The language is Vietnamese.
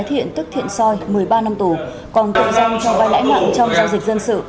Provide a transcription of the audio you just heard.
lê thái thiện tức thiện soi một mươi ba năm tù còn tội doanh cho vay lãi nặng trong giao dịch dân sự